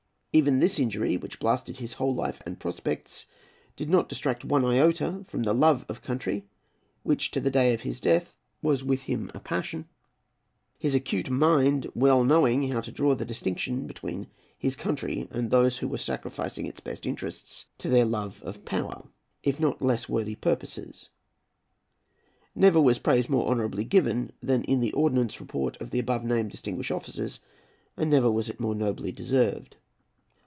Even this injury, which blasted his whole life and prospects, did not detract one iota from the love of country, which to the day of his death was with him a passion; his acute mind well knowing how to draw the distinction between his country and those who were sacrificing its best interests to their love of power, if not to less worthy purposes. Never was praise more honourably given, than in the Ordnance Report of the above named distinguished officers, and never was it more nobly deserved.